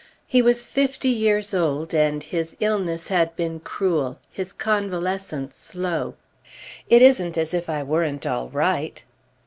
He was fifty years old, and his illness had been cruel, his convalescence slow. "It isn't as if I weren't all right."